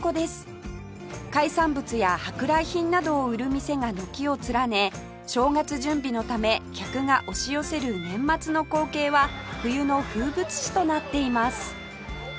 海産物や舶来品などを売る店が軒を連ね正月準備のため客が押し寄せる年末の光景は冬の風物詩となっています